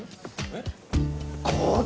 えっ！